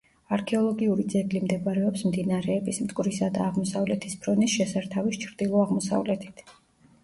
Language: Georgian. არქეოლოგიური ძეგლი მდებარეობს მდინარეების მტკვრისა და აღმოსავლეთის ფრონის შესართავის ჩრდილო-აღმოსავლეთით.